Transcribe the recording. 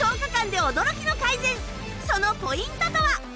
そのポイントとは？